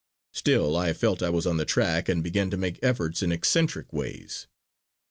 Still I felt I was on the track and began to make efforts in eccentric ways.